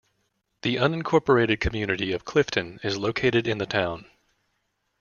The unincorporated community of Clifton is located in the town.